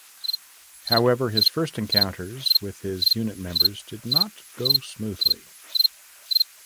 However, his first encounters with his unit members did not go smoothly.